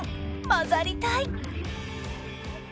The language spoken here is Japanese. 混ざりたい！